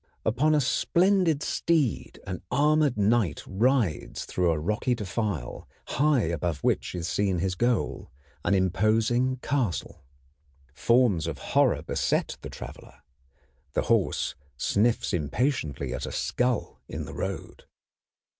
Upon a splendid steed an armored knight rides through a rocky defile, high above which is seen his goal, an imposing castle. Forms of horror beset the traveler. The horse sniffs impatiently at a skull in the road.